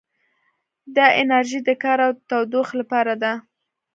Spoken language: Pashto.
دا انرژي د کار او تودوخې لپاره ده.